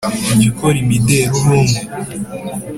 ujya ukora imideli uri umwe?